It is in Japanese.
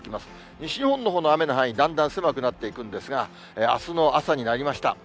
西日本のほうの雨の範囲、だんだん狭くなっていくんですが、あすの朝になりました。